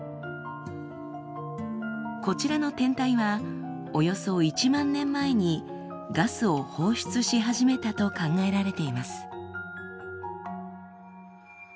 こちらの天体はおよそ１万年前にガスを放出し始めたと考えられています。